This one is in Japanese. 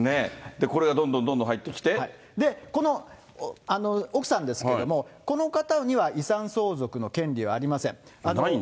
これ、どんどんどんどん入ってこの、奥さんですけれども、この方には遺産相続の権利はありません。